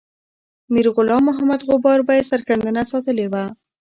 میرغلام محمد غبار به یې سرښندنه ستایلې وه.